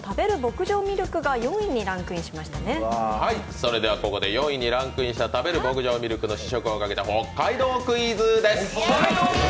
それではここで４位にランクインしたたべる牧場ミルクの試食をかけた北海道クイズです！